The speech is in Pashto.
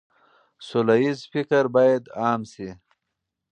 سوله ييز فکر بايد عام شي.